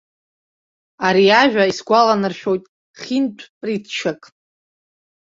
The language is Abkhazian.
Ари ажәа исгәаланаршәоит хиндтә притчак.